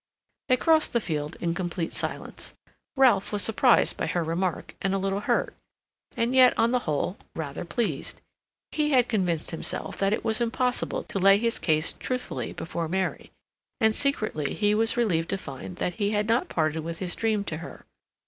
They crossed the field in complete silence. Ralph was surprised by her remark and a little hurt, and yet, on the whole, rather pleased. He had convinced himself that it was impossible to lay his case truthfully before Mary, and, secretly, he was relieved to find that he had not parted with his dream to her.